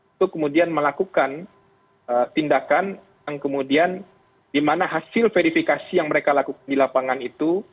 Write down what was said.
itu kemudian melakukan tindakan yang kemudian di mana hasil verifikasi yang mereka lakukan di lapangan itu